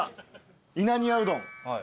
稲庭うどん。